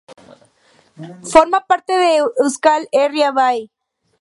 Forma parte de Euskal Herria Bai.